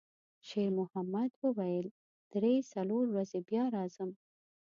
شېرمحمد وویل: «درې، څلور ورځې بیا راځم.»